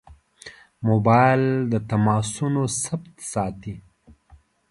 موبایل د تماسونو ثبت ساتي.